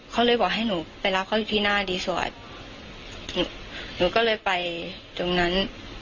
เขาเลยบอกให้หนูไปรับเขาที่หน้ารีสอร์ทหนูก็เลยไปตรงนั้น